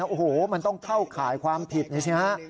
โอ้โหมันต้องเข้าข่ายความผิดนี่สิฮะ